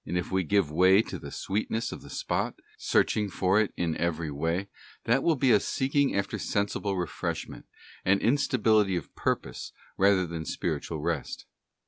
If we give way to the sweetness of the spot, search ing for it in every way, that will be a seeking after sensible refreshment, and instability of purpose rather than spiritual rest.